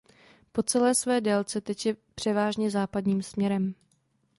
Po celé své délce teče převážně západním směrem.